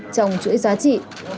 trong chuỗi giá trị